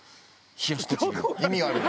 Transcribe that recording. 意味があるんだ。